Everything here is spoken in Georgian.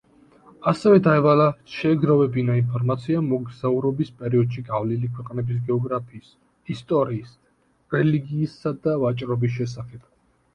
ასევე დაევალა შეეგროვებინა ინფორმაცია მოგზაურობის პერიოდში გავლილი ქვეყნების გეოგრაფიის, ისტორიის, რელიგიისა და ვაჭრობის შესახებ.